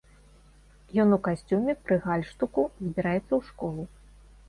Ён у касцюме, пры гальштуку, збіраецца ў школу.